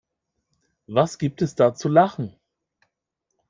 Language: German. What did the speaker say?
Was gibt es da zu lachen?